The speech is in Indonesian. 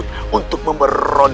mendapatkan ben frequn